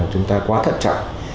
chúng ta quá thật chậm